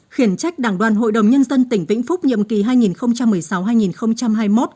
khiển trách đảng đoàn hội đồng nhân dân tỉnh vĩnh phúc nhiệm kỳ hai nghìn một mươi sáu hai nghìn hai mươi một